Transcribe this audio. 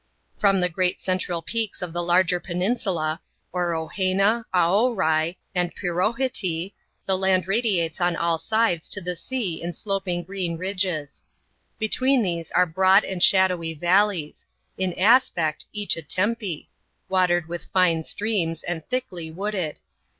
From the great central peaks of the larger penin sula — Orohena, Aorai, and Pirohitee — the land radiates on all «ides to the sea in sloping green ridges. Between these are broad and shadowy valleys — in aspect, each aTempe — watered with fine streams, and thickly wooded.